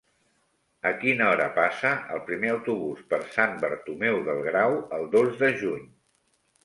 A quina hora passa el primer autobús per Sant Bartomeu del Grau el dos de juny?